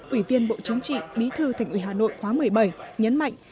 ủy viên bộ chính trị bí thư thành ủy hà nội khóa một mươi bảy nhấn mạnh